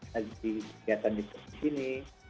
lagi kegiatan di sini